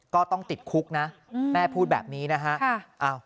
ก็ต้องติดคุกนะแม่พูดแบบนี้นะฮะ